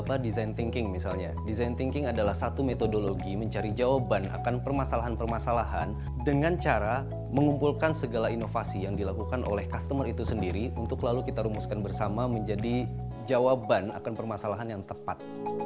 apa desain thinking misalnya desain thinking adalah satu metodologi mencari jawaban akan permasalahan permasalahan dengan cara mengumpulkan segala inovasi yang dilakukan oleh customer itu sendiri untuk lalu kita rumuskan bersama menjadi jawaban akan permasalahan yang tepat